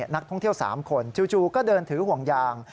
นักท่องเที่ยว๓คนจู่ก็เดินถือห่วงยาง